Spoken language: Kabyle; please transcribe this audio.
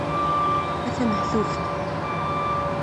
A tamehtuft!